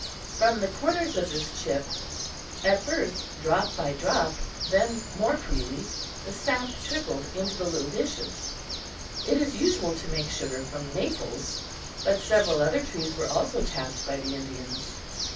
From the corners of this chip at first drop by drop, then more freely the sap trickled into the little dishes. It is usual to make sugar from maples, but several other trees were also tapped by the Indians.